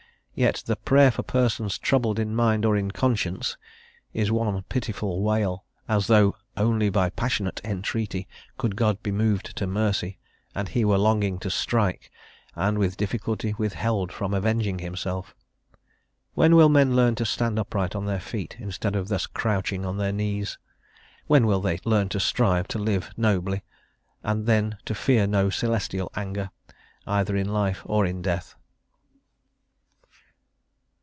Yet the "Prayer for persons troubled in mind or in conscience" is one pitiful wail, as though only by passionate entreaty could God be moved to mercy, and he were longing to strike, and with difficulty withheld from avenging himself. When will men learn to stand upright on their feet, instead of thus crouching on their knees? When will they learn to strive to live nobly, and then to fear no celestial anger, either in life or in death?